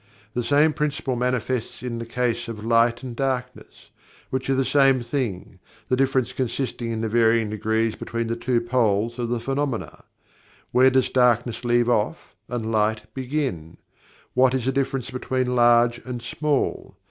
The same Principle manifests in the case of "Light and Darkness," which are the same thing, the difference consisting of varying degrees between the two poles of the phenomena. Where does "darkness" leave off, and "light" begin? What is the difference between "Large and Small"?